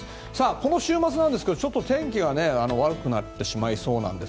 この週末なんですけど、天気が悪くなってしまいそうです。